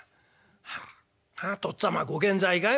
はあ父っつぁまご健在かい？